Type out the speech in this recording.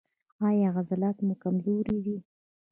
ایا عضلات مو کمزوري دي؟